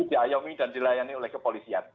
diayomi dan dilayani oleh kepolisian